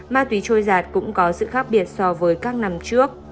ma túy trôi giạt cũng có sự khác biệt so với các năm trước